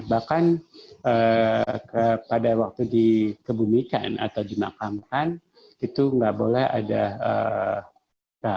bahkan pada waktu dikebumikan atau dimakamkan itu nggak boleh ada